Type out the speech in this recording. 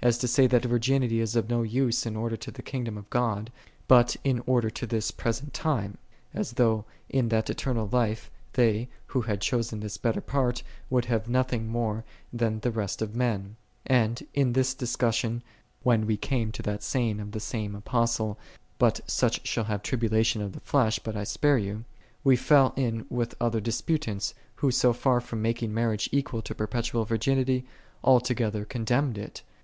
is to say that virginity is of use not in order to the kingdom of heaven, but in order to this present time: as though in that eternal life, they, who had chosen this better part, have nothing more than the rest of And in this discussion when we came to that saying of the same Apostle, " But such shall have tribulation of the flesh, but 1 spare you; '' J we fell in with other disputants, who so far from making marriage equal to perpetual virginity, altogether condemned it.